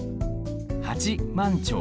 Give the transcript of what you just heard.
八幡町。